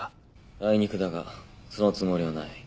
あいにくだがそのつもりはない。